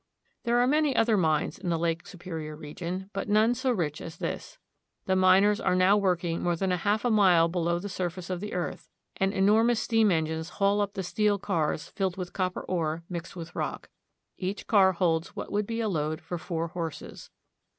There are many other mines in the Lake Superior region, but none so rich as this. The miners are now working more than a half mile below the surface of the earth, and enormous steam engines haul up the steel cars filled with copper ore mixed with rock. Each car holds what would be a load for four horses.